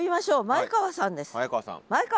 前川さん。